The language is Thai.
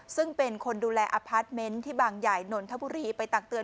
ซึ่งเป็นคนดูแลอพาร์ทเมนต์ที่บางใหญ่นนทบุรีไปตักเตือ